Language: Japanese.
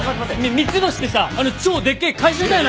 三ツ星ってさあの超でっけえ会社だよな！？